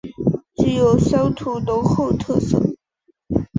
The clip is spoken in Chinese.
具有乡土浓厚特色